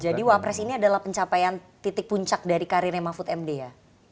jadi wapres ini adalah pencapaian titik puncak dari karirnya mafud md ya